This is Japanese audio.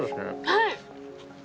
はい。